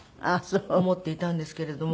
思っていたんですけれども。